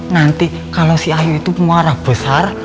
nanti kalau si ayu itu mau marah besar